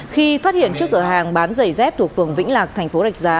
khi phát hiện trước cửa hàng bán giày dép thuộc phường vĩnh lạc thành phố rạch giá